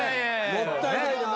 もったいないな。